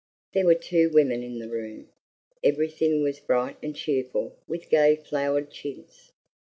There were two women in the room. Everything was bright and cheerful with gay flowered chintz.